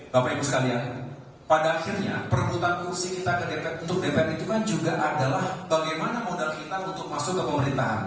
bapak ibu sekalian pada akhirnya perebutan fungsi kita ke dpr untuk dpr itu kan juga adalah bagaimana modal kita untuk masuk ke pemerintahan